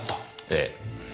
ええ。